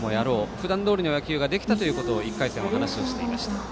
ふだんどおりの野球ができたということを１回戦のあとに話をしていました。